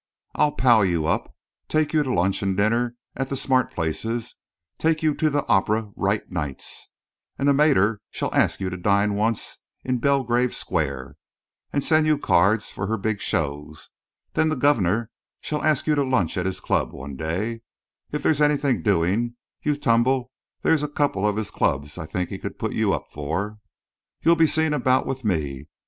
I'll pal you up, take you to lunch and dinner at the smart places, take you to the Opera right nights, and the mater shall ask you to dine once in Belgrave Square and send you cards for her big shows. Then the governor shall ask you to lunch at his club one day, and if there's anything doing, you tumble, there are a couple of his clubs I think he could put you up for. You'll be seen about with me.